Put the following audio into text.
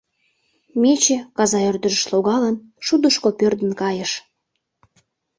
Мече, каза ӧрдыжыш логалын, шудышко пӧрдын кайыш.